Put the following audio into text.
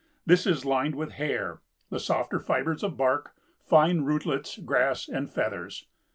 This is lined with hair, the softer fibers of bark, fine rootlets, grass and feathers.